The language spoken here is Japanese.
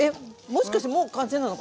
もしかしてもう完成なの？